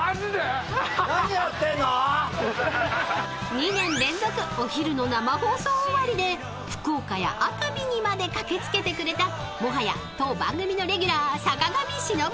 ［２年連続お昼の生放送終わりで福岡や熱海にまで駆け付けてくれたもはや当番組のレギュラー坂上忍さん］